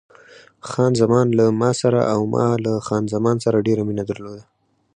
خان زمان له ما سره او ما له خان زمان سره ډېره مینه درلوده.